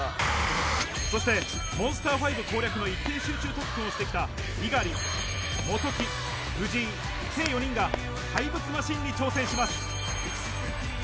そして、モンスター５攻略の一点集中特訓をしてきた猪狩、元木、藤井、計４人が怪物マシンに挑戦します。